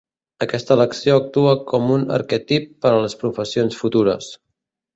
Aquesta elecció actua com un arquetip per a les professions futures.